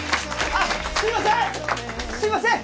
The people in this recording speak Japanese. あっすみません！